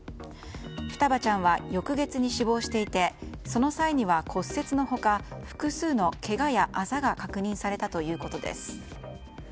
双葉ちゃんは翌月に死亡していてその際には骨折の他複数のけがやあざが確認されたということです。